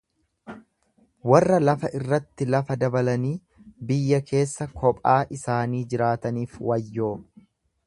Warra lafa irratti lafa dabalanii biyya keessa kophaa isaanii jiraataniif wayyoo!